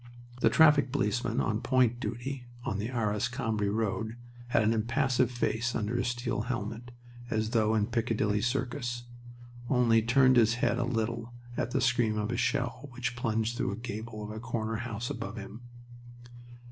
The traffic policeman on "point duty" on the Arras Cambrai road had an impassive face under his steel helmet, as though in Piccadilly Circus; only turned his head a little at the scream of a shell which plunged through the gable of a corner house above him.